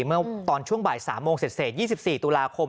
เมื่อตอนช่วงบ่าย๓โมงเสร็จ๒๔ตุลาคม